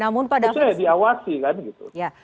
itu saya diawasi kan gitu